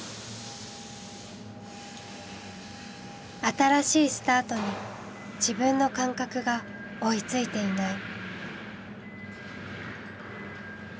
新しいスタートに自分の感覚が追いついていない。